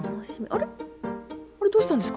あれどうしたんですか？